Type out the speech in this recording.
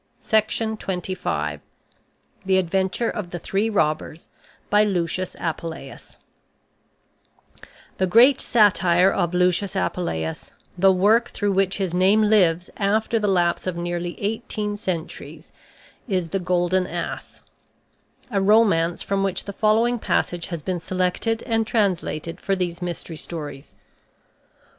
LUCIUS APULEIUS The Adventure of the Three Robbers The great satire of Lucius Apuleius, the work through which his name lives after the lapse of nearly eighteen centuries, is "The Golden Ass," a romance from which the following passage has been selected and translated for these Mystery Stories.